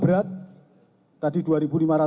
pembangunan yang berat